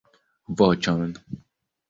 .... voĉon.